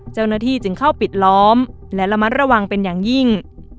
เจ้าหน้าที่จึงเข้าปิดล้อมและระมัดระวังเป็นอย่างยิ่ง